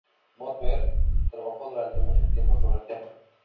Moberg trabajó durante mucho tiempo sobre el tema.